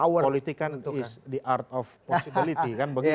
ya dalam politik kan itu is the art of possibility kan begitu